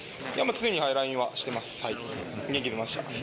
常にＬＩＮＥはしてます。